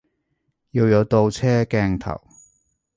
要有倒車鏡頭